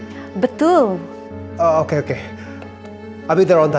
kemuuun trik keiatan lancar dire diskusi bahwa penyakit ilang turki